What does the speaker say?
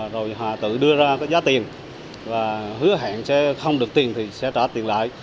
rồi hà tự đưa ra giá tiền và hứa hẹn sẽ không được tiền thì sẽ trả tiền lại